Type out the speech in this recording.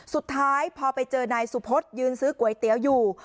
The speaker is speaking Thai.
สุดท้ายพอไปเจอนายสุพธยืนซื้อก๋วยเตี๋ยวอยู่